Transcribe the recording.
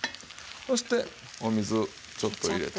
そしてお水ちょっと入れて。